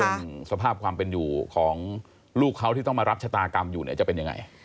สภาพความเป็นอยู่ของลูกเขาที่ต้องมารับชะตากรรมอยู่เนี่ยจะเป็นยังไง